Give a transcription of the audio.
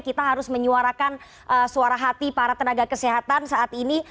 kita harus menyuarakan suara hati para tenaga kesehatan saat ini